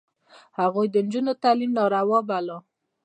هغوی د نجونو تعلیم ناروا باله.